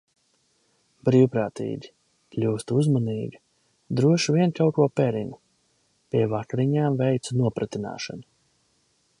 Brīvprātīgi. Kļūstu uzmanīga, droši vien kaut ko perina. Pie vakariņām veicu nopratināšanu.